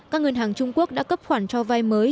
các ngân hàng trung quốc đã cấp khoản cho vay mới